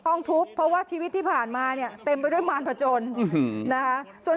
ต้องทุบเพราะว่าชีวิตที่ผ่านมาเนี่ยเต็มไปด้วยมารพจนนะคะส่วน